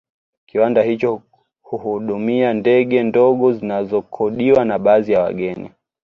Kiwanja hicho huhudumia ndege ndogo zinazokodiwa na baadhi ya wageni